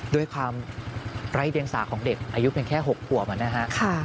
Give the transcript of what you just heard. ด้วยความไร้เดียงสาของเด็กอายุเพียงแค่๖ขวบนะฮะ